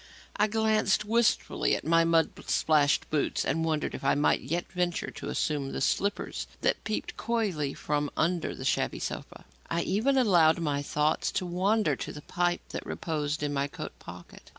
I glanced wistfully at my mud splashed boots and wondered if I might yet venture to assume the slippers that peeped coyly from under the shabby sofa. I even allowed my thoughts to wander to the pipe that reposed in my coat pocket.